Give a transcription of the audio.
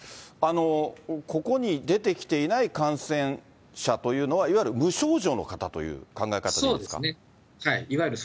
ここに出てきていない感染者というのは、いわゆる無症状の方という考え方でいいですか？